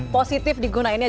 positif digunain ya